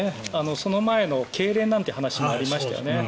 その前のけいれんという話もありましたよね。